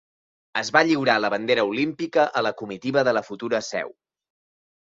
Es va lliurar la bandera olímpica a la comitiva de la futura seu.